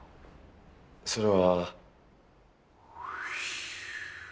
それは。